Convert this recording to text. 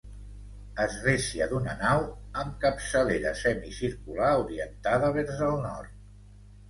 Església d'una nau amb capçalera semicircular, orientada vers el nord.